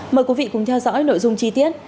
mời quý vị cùng theo dõi nội dung chi tiết